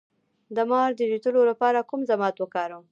د مار د چیچلو لپاره کوم ضماد وکاروم؟